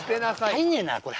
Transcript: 入んねえなこれ。